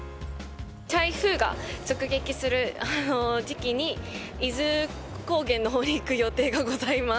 台風が直撃する時期に、伊豆高原のほうに行く予定がございます。